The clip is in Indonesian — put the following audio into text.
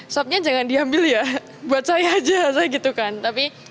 supnya jangan diambil ya buat saya aja saya gitu kan tapi masih dibagi